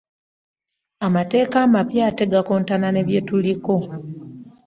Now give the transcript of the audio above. Amateeka ampya ate gakontana ne bye tuliko.